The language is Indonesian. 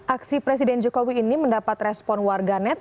aksi presiden jokowi ini mendapat respon warga net